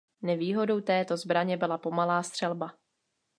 Nevýhodou této zbraně byla pomalá střelba.